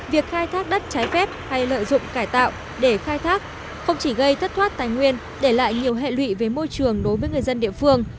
việc khai thác đất trái phép hay lợi dụng cải tạo để khai thác không chỉ gây thất thoát tài nguyên để lại nhiều hệ lụy về môi trường đối với người dân địa phương